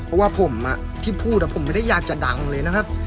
เพราะว่าผมที่พูดผมไม่ได้อยากจะดังเลยนะครับ